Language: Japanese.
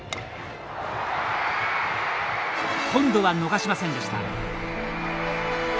今度は逃しませんでした。